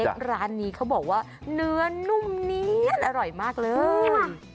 ร้านนี้เขาบอกว่าเนื้อนุ่มเนียนอร่อยมากเลย